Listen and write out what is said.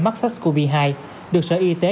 mắc sars cov hai được sở y tế